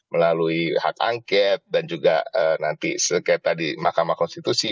melalui hak angket dan juga nanti seperti tadi makamah konstitusi